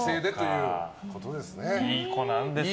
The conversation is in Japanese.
いい子なんですよ